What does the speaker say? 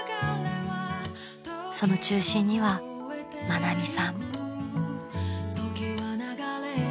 ［その中心には愛美さん］